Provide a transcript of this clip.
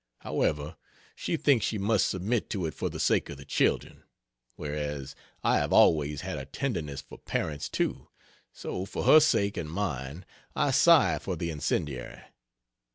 However, she thinks she must submit to it for the sake of the children; whereas, I have always had a tenderness for parents too, so, for her sake and mine, I sigh for the incendiary.